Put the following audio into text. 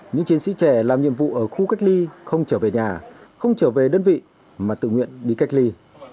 những chiến sĩ trẻ làm nhiệm vụ ở khu cách ly không trở về nhà không trở về đơn vị mà tự nguyện đi cách ly